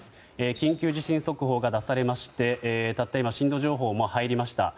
緊急地震速報が出されましてたった今震度情報も入りました。